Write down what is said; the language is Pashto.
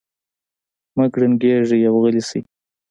مه کړنګېږئ او غلي شئ.